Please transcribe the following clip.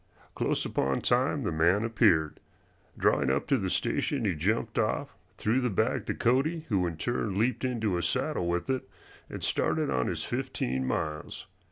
Close upon time the man appeared. Drawing up to the station he jumped off, threw the bag to Cody, who in turn leaped into his saddle with it and started on his fifteen miles.